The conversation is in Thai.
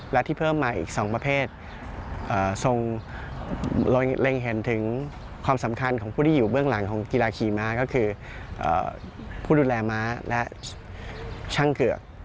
และที่เพิ่มมาอีก๒ประเภททรงเล็งเห็นถึงความสำคัญของผู้ที่อยู่เบื้องหลังของกีฬาขี่ม้าก็คือผู้ดูแลม้าและช่างเกือก